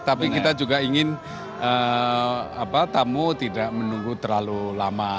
tapi kita juga ingin tamu tidak menunggu terlalu lama